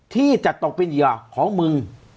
ที่จะตกเป็นเหยื่อของมึง